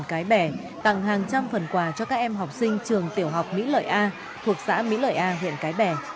đoàn cái bẻ tặng hàng trăm phần quà cho các em học sinh trường tiểu học mỹ lợi a thuộc xã mỹ lợi a huyện cái bẻ